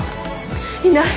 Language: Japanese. いない。